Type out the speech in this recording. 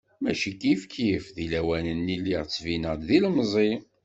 Mačči kifkif, deg lawan-nni lliɣ ttbineɣ-d d ilemẓi.